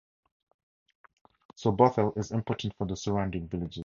So Bothel is important for the surrounding villages.